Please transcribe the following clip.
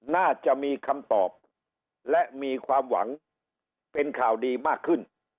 น่าจะมีคำตอบและมีความหวังเป็นข่าวดีมากขึ้น